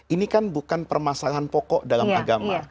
ini kan bukan permasalahan pokok dalam agama